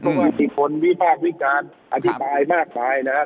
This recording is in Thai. เพราะว่าที่คนวิบากวิการอธิบายมากนะครับ